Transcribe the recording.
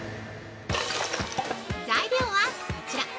材料はこちら。